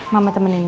mama temenin ya